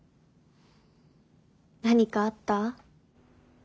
何かあった？